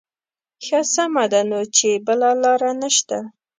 ښه سمه ده نو چې بله لاره نه شته.